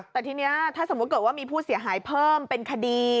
แต่ทีนี้ถ้าสมมุติเกิดว่ามีผู้เสียหายเพิ่มเป็นคดี